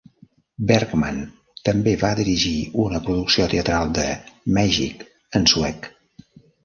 Bergman també va dirigir una producció teatral de "Magic" en suec.